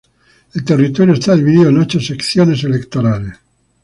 El territorio está dividido en ocho secciones electorales.